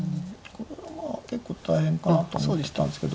これはまあ結構大変かなと思ったんですけど。